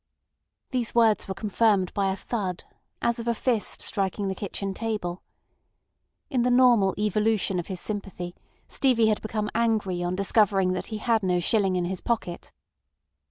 These words were confirmed by a thud as of a fist striking the kitchen table. In the normal evolution of his sympathy Stevie had become angry on discovering that he had no shilling in his pocket.